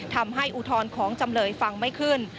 ทำให้อุทรของจำเลยฟังไม่ขึ้น